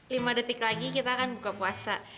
lima detik lagi kita akan buka puasa